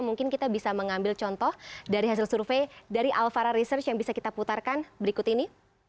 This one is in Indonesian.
mungkin kita bisa mengambil contoh dari hasil survei dari alfara research yang bisa kita putarkan berikut ini